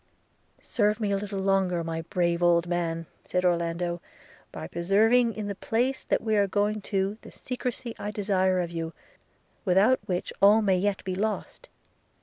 'Serve me a little longer, my brave old man!' said Orlando; 'by preserving in the place we are going to the secrecy I desire of you, without which all may yet be lost.